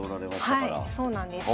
はいそうなんです。